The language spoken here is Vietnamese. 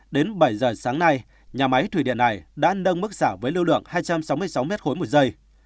đến bảy giờ sáng nay nhà máy thủy điện này đã nâng mức xả với lưu lượng hai trăm sáu mươi sáu m ba một giây